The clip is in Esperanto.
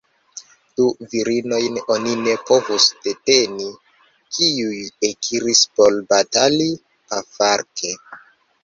Du virinojn oni ne povus deteni, kiuj ekiris por batali pafarke.